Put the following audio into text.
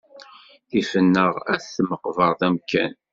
Ifen-aɣ at tmeqbeṛt amkan.